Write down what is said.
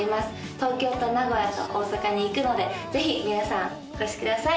東京と名古屋と大阪に行くのでぜひ皆さんお越しください